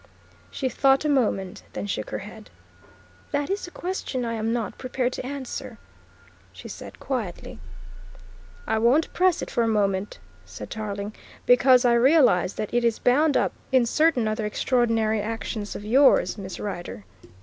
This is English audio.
She thought a moment, then shook her head. "That is a question I am not prepared to answer," she said quietly. "I won't press it for a moment," said Tarling, "because I realise that it is bound up in certain other extraordinary actions of yours, Miss Rider."